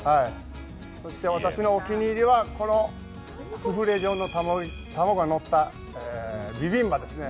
私のお気に入りは、スフレ状の卵がのったビビンバですね。